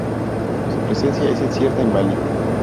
Su presencia es incierta en Bali.